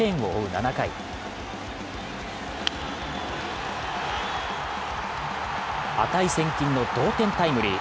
７回値千金の同点タイムリー。